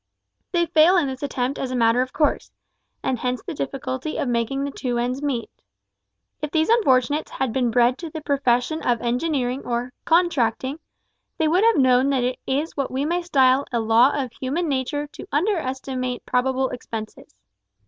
They fail in this attempt as a matter of course, and hence the difficulty of making the two ends meet. If these unfortunates had been bred to the profession of engineering or "contracting," they would have known that it is what we may style a law of human nature to under estimate probable expenses.